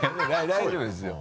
大丈夫ですよ。